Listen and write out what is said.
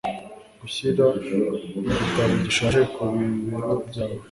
gushyira igitabo gishaje ku bibero byawe